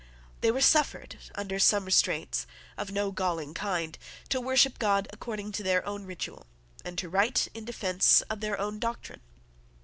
They were suffered, under some restraints of no galling kind, to worship God according to their own ritual, and to write in defence of their own doctrine.